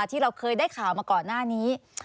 ที่เราเคยได้ข่าวมาก่อนหน้านี้